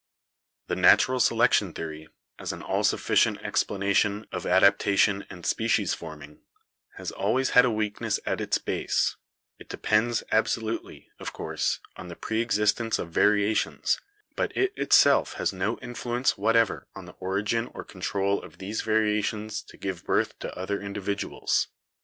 "The natural selection theory, as an all sufficient ex planation of adaptation and species forming, has always 208 BIOLOGY had a weakness at its base; it depends absolutely, of course, on the preexistence of variations, but it itself has no influence whatever on the origin or control of these variations to give birth to other individuals.